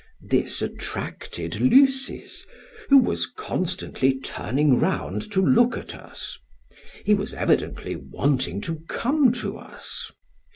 This attracted Lysis, who was constantly turning round to look at us he was evidently wanting to come to us.